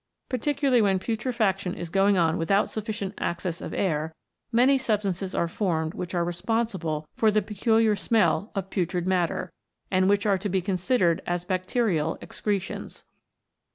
Particularly when putrefaction is going on without sufficient access of air, many substances are formed which are responsible for the peculiar smell of putrid matter, and which are to be considered as bacterial excre tions.